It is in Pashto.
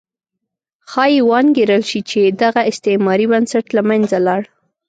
ښایي وانګېرل شي چې دغه استعماري بنسټ له منځه لاړ.